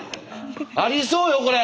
ありそうよこれ！